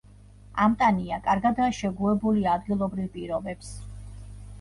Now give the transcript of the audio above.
ამტანია, კარგადაა შეგუებული ადგილობრივ პირობებს.